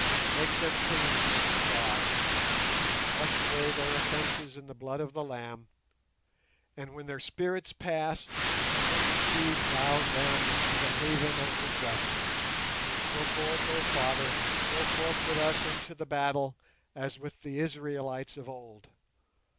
Make them clean, oh God; wash away their offences in the blood of the Lamb; and when their spirits pass, oh receive Thou them into the haven of the just. Go forth, oh Father, go forth with us into the battle, as with the Israelites of old.